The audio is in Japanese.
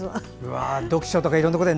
読書とかいろんなことを。